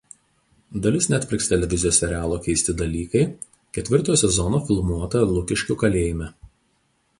Dalis „Netflix“ televizijos serialo „Keisti dalykai“ ketvirtojo sezono filmuota Lukiškių kalėjime.